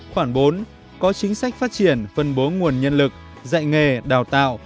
khoảng bốn có chính sách phát triển phân bố nguồn nhân lực dạy nghề đào tạo